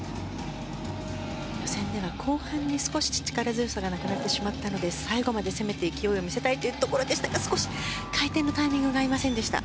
予選では後半に少し力強さがなくなってしまったので最後まで攻めて勢いを見せたいところでしたが少し回転のタイミングが合いませんでした。